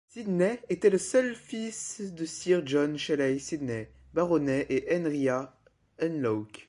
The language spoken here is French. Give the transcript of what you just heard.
Sidney était le seul fils de Sir John Shelley-Sidney, baronnet et Henrietta Hunloke.